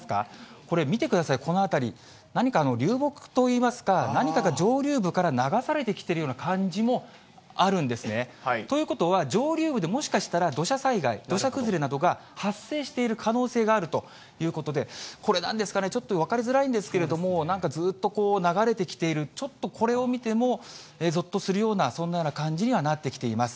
これ、見てください、この辺り、何か流木といいますか、何かが上流部から流されてきているような感じもあるんですね。ということは、上流部でもしかしたら、土砂災害、土砂崩れなどが発生している可能性があるということで、これ、なんですかね、ちょっと分かりづらいんですけれども、なんかずっと、こう流れてきている、ちょっとこれを見ても、ぞっとするようなそんなような感じにはなってきています。